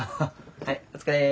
はいお疲れ。